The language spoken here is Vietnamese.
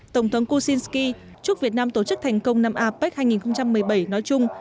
tổng thống kujinsky chúc việt nam tổ chức thành công năm apec hai nghìn một mươi bảy nói chung